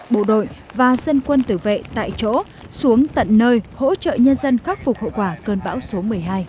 bộ đội và dân quân tử vệ tại chỗ xuống tận nơi hỗ trợ nhân dân khắc phục hậu quả cơn bão số một mươi hai